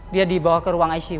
dia dibawa ke ruang icu